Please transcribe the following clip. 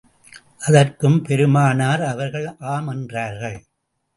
அதற்கும் பெருமானார் அவர்கள் ஆம் என்றார்கள்.